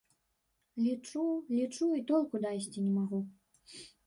Лічу, лічу і толку дайсці не магу.